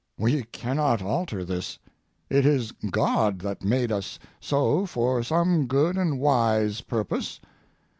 We cannot alter this. It is God that made us so for some good and wise purpose.